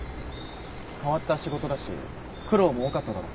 変わった仕事だし苦労も多かっただろ。